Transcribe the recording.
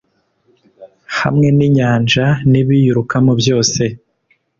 hamwe n’inyanja n’ibiyirukamo byose